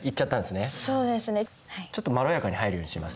ちょっとまろやかに入るようにします。